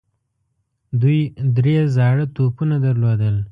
دوی درې زاړه توپونه درلودل.